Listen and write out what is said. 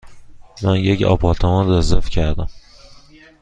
من یک آپارتمان رزرو کردم.